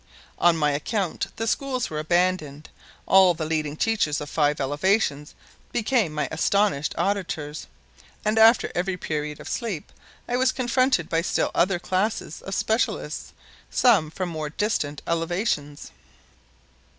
On my account the schools were abandoned, all the leading teachers of five elevations became my astonished auditors, and after every period of sleep I was confronted by still other classes of specialists, some from more distant elevations.